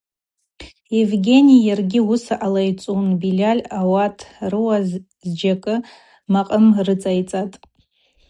Евгений йаргьи уыса алайцӏун, Бильаль ауат рыуа зджьакӏы макъым рыцӏайцӏатӏ.